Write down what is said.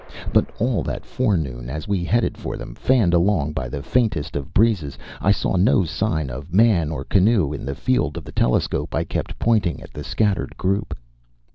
But all that forenoon, as we headed for them, fanned along by the faintest of breezes, I saw no sign of man or canoe in the field of the telescope I kept on pointing at the scattered group.